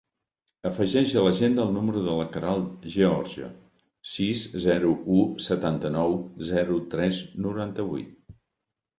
Afegeix a l'agenda el número de la Queralt Gheorghe: sis, zero, u, setanta-nou, zero, tres, noranta-vuit.